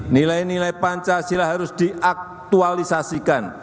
nilai nilai pancasila harus diaktualisasikan